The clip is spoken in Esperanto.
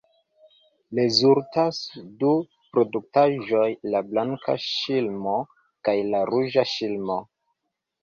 Rezultas du produktaĵoj, la blanka ŝlimo kaj la ruĝa ŝlimo.